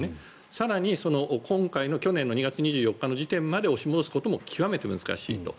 更に、今回の去年２月２４日の時点まで押し戻すことも極めて難しいと。